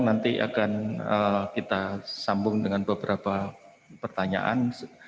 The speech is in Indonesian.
nanti akan kita sambung dengan beberapa pertanyaan